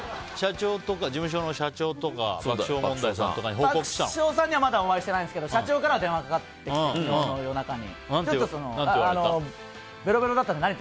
事務所の社長とか爆笑問題さんとかに爆笑さんにはまだお会いしてないんですけど社長からは電話がかかってきて夜中に。